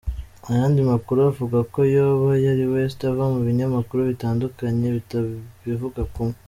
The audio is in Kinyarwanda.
Ayandi makuru avuga ko yoba yari West ava mu binyamakuru bitandukanye bitabivuga kumwe.